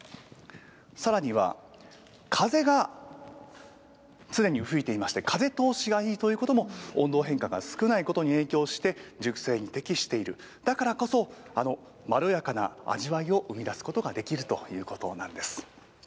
さらには、風が常に吹いていまして、風通しがいいということも、温度変化が少ないことに影響して、熟成に適している、だからこそ、あのまろやかな味わいを生み出すことができるということなんです。